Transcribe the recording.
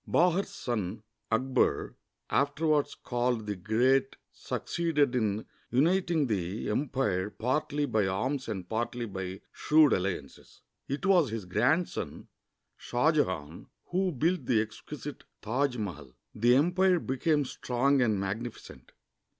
Bahar's son Akbar, afterv^ ards called the Great, succeeded in uniting the empire partly by arms and partly by shrewd alliances. It was his grandson, Shah Jehan, who built the exquisite Taj Mahal. The empire became strong and magnificent.